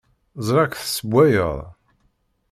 Ẓriɣ-k tessewwayeḍ.